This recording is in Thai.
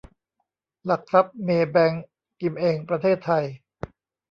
หลักทรัพย์ เมย์แบงก์ กิมเอ็ง ประเทศไทย